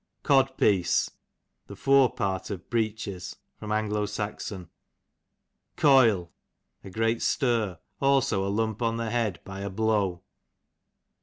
Cod piece, the fore part of bree ches. A. S. a fence. A. S. Bel. Coil, a great stir ; also a lump on the head, by a blow.